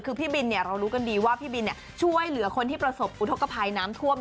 คือพี่บินเรารู้กันดีว่าพี่บินช่วยเหลือคนที่ประสบอุทธกภัยน้ำท่วม